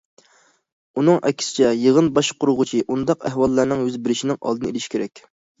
ئۇنىڭ ئەكسىچە، يىغىن باشقۇرغۇچى ئۇنداق ئەھۋاللارنىڭ يۈز بېرىشىنىڭ ئالدىنى ئېلىشى كېرەك.